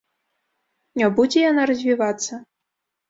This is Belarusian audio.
Не будзе яна развівацца.